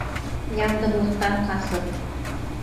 Яңғыҙлыҡтан ҡасып...